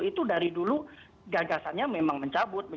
itu dari dulu gagasannya memang mencabut